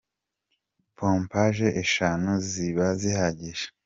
pompaje eshanu ziba zihagije.